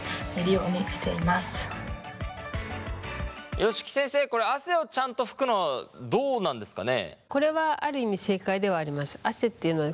吉木先生これ汗をちゃんと拭くのどうなんですかね？